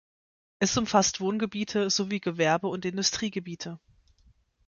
Es umfasst Wohngebiete sowie Gewerbe- und Industriegebiete.